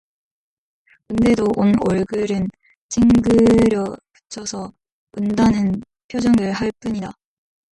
운대도 온 얼굴을 찡그려 붙여서 운다는 표정을 할 뿐이다.